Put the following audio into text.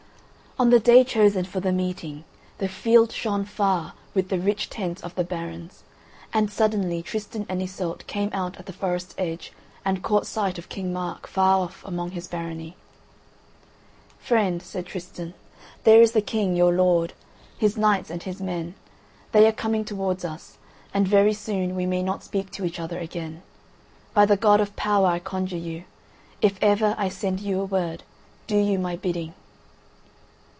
On the day chosen for the meeting, the field shone far with the rich tents of the barons, and suddenly Tristan and Iseult came out at the forest's edge, and caught sight of King Mark far off among his Barony: "Friend," said Tristan, "there is the King, your lord—his knights and his men; they are coming towards us, and very soon we may not speak to each other again. By the God of Power I conjure you, if ever I send you a word, do you my bidding."